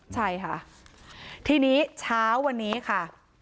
ใช่ค่ะทีนี้เช้าวันนี้ค่ะ